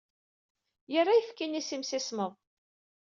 Yerra ayefki-nni s imsismeḍ.